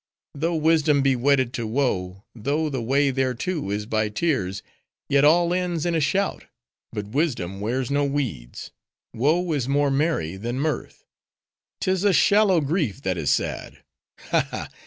Though wisdom be wedded to woe, though the way thereto is by tears, yet all ends in a shout. But wisdom wears no weeds; woe is more merry than mirth; 'tis a shallow grief that is sad. Ha! ha!